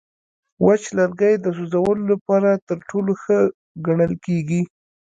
وچ لرګی د سوځولو لپاره تر ټولو ښه ګڼل کېږي.